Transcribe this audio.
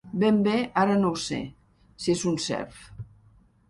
Ben bé ara no ho sé, si és un serf.